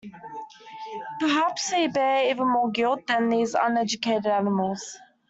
Perhaps we bear even more guilt than these uneducated animals.